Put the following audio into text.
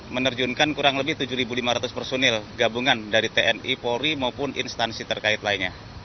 menerjunkan kurang lebih tujuh lima ratus personil gabungan dari tni polri maupun instansi terkait lainnya